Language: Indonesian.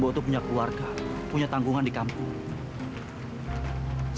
bok itu punya keluarga punya tanggungan di kampung